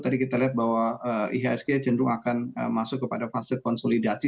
tadi kita lihat bahwa ihsg cenderung akan masuk kepada fase konsolidasi